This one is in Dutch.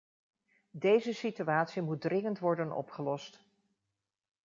Deze situatie moet dringend worden opgelost.